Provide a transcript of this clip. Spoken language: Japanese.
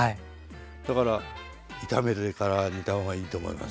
だから炒めてから煮た方がいいと思います。